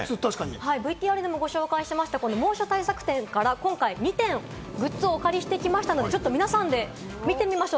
ＶＴＲでもご紹介しました猛暑対策展からグッズを２点、お借りしてきましたので見ていきましょう。